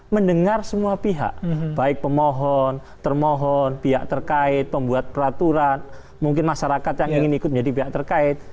mendengar semua pihak baik pemohon termohon pihak terkait pembuat peraturan mungkin masyarakat yang ingin ikut menjadi pihak terkait